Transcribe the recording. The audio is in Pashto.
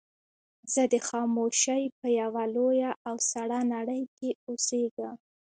زه د خاموشۍ په يوه لويه او سړه نړۍ کې اوسېږم.